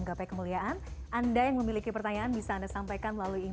gapai kemuliaan akan kembali sesaat lagi